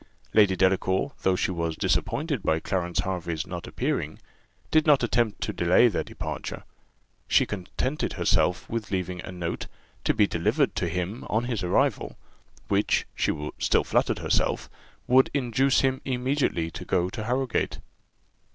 Lady Delacour, though she was disappointed by Clarence Hervey's not appearing, did not attempt to delay their departure. She contented herself with leaving a note, to be delivered to him on his arrival, which, she still flattered herself, would induce him immediately to go to Harrowgate.